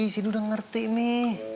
sini udah ngerti nih